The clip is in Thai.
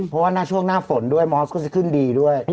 เพราะว่าหน้าช่วงหน้าฝนด้วยมอสก็จะขึ้นดีด้วย